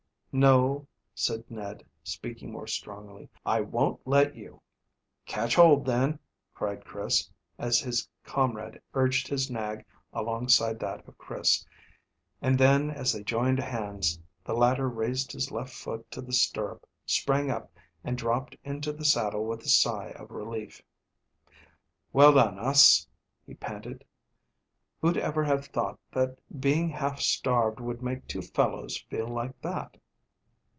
"No," said Ned, speaking more strongly; "I won't let you." "Catch hold, then," cried Chris, as his comrade urged his nag alongside that of Chris, and then as they joined hands, the latter raised his left foot to the stirrup, sprang up, and dropped into the saddle with a sigh of relief. "Well done us!" he panted. "Who'd ever have thought that being half starved would make two fellows feel like that?"